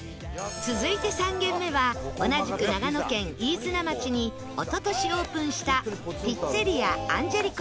続いて３軒目は同じく長野県飯綱町におととしオープンしたピッツェリア・アンジェリコさん